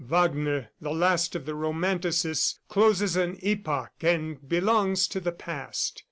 Wagner, the last of the romanticists, closes an epoch and belongs to the past.